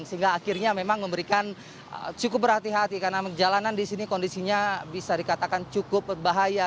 sehingga akhirnya memang memberikan cukup berhati hati karena jalanan di sini kondisinya bisa dikatakan cukup berbahaya